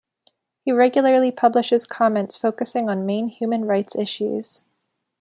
He regularly publishes comments focusing on main human rights issues.